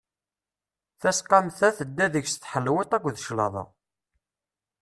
Tasqamt-a tedda deg-s tḥelwiḍt akked claḍa.